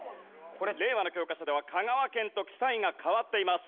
これ令和の教科書では香川県と記載が変わっています。